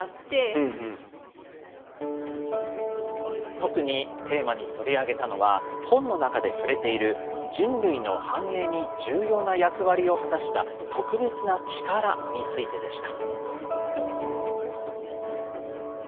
特にテーマに取り上げたのは、本の中で触れている、人類の繁栄に重要な役割を果たした、特別な力についてでした。